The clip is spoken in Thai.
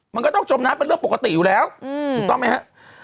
มันก็ต้องจมน้ำเป็นเรื่องปกติอยู่แล้วถูกต้องไหมครับ